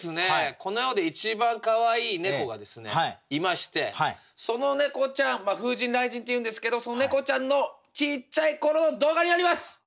この世で一番かわいい猫がいましてその猫ちゃん風神雷神っていうんですけどその猫ちゃんのちっちゃい頃の動画になります！